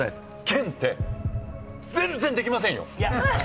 健って全然できませんよ。